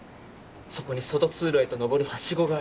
そこに外通路へと上る梯子がある。